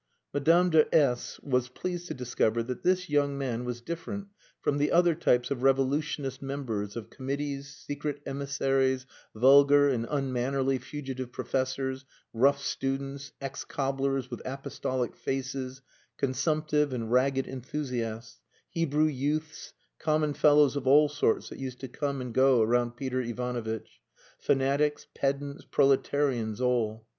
Madame de S was pleased to discover that this young man was different from the other types of revolutionist members of committees, secret emissaries, vulgar and unmannerly fugitive professors, rough students, ex cobblers with apostolic faces, consumptive and ragged enthusiasts, Hebrew youths, common fellows of all sorts that used to come and go around Peter Ivanovitch fanatics, pedants, proletarians all.